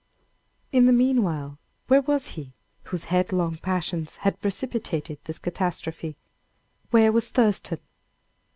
In the meanwhile, where was he whose headlong passions had precipitated this catastrophe? where was Thurston?